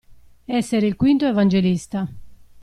Essere il quinto evangelista.